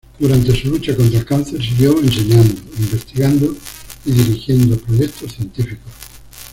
Durante su lucha contra el cáncer, siguió enseñando, investigando y dirigiendo proyectos científicos.